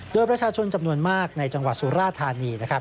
ด้วยประชาชนจำนวนมากในจังหวัดสุรธานี